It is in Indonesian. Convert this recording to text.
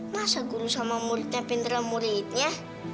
masa guru sama muridnya pindera muridnya